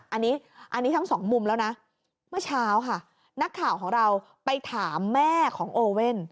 อันนี้อันนี้ทั้งสองมุมแล้วนะเมื่อเช้าค่ะนักข่าวของเราไปถามแม่ของโอเว่น